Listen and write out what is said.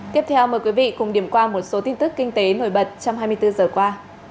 tiếp theo mời quý vị cùng điểm qua một số tin tức kinh tế nổi bật trong hai mươi bốn giờ qua